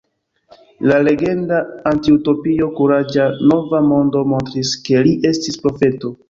La legenda antiutopio Kuraĝa Nova Mondo montris, ke li estis profeto.